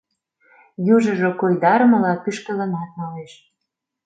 Южыжо койдарымыла пӱшкылынат налеш.